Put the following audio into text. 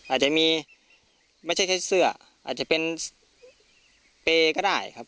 อาจจะมีไม่ใช่แค่เสื้ออาจจะเป็นเปรย์ก็ได้ครับ